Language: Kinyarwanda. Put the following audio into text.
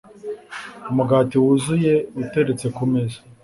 Umugati wuzuye uteretse kumeza